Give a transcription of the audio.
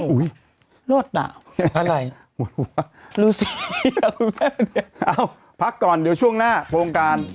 อุ๊ยโลศน่ะอะไรรู้สิอยากรู้แบบนี้อ้าวพักก่อนเดี๋ยวช่วงหน้าโปรงการ